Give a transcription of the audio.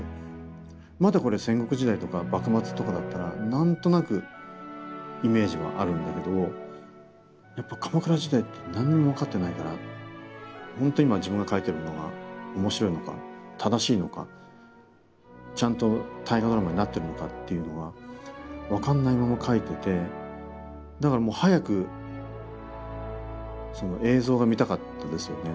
まだこれ戦国時代とか幕末とかだったら何となくイメージはあるんだけどやっぱ鎌倉時代って何にも分かってないから本当に今自分が書いてるものが面白いのか正しいのかちゃんと「大河ドラマ」になってるのかっていうのが分かんないまま書いててだからもう早くその映像が見たかったですよね。